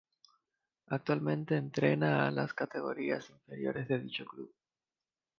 Actualmente entrena a las categorías inferiores de dicho club.